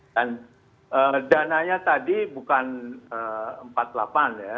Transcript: dan dananya tadi bukan empat puluh delapan ya